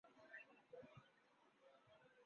مدینہ مگر ایک تکثیری معاشرہ تھا۔